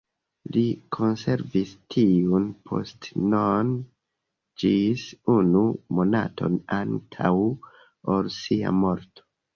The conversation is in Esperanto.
Li konservis tiun postenon ĝis unu monaton antaŭ ol sia morto.